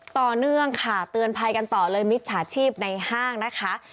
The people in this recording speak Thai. ต่อเนื่องค่ะเตือนภัยกันต่อเลยมิจฉาชีพในห้างนะคะ